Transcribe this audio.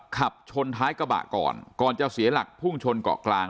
ขับชนท้ายกระบะก่อนก่อนจะเสียหลักพุ่งชนเกาะกลาง